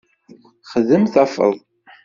Xdem tafeḍ.